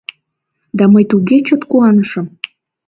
Да мый туге чот куанышым!